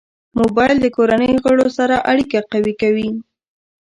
موبایل د کورنۍ غړو سره اړیکه قوي کوي.